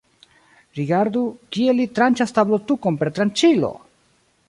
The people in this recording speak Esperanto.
Rigardu, kiel li tranĉas tablotukon per tranĉilo!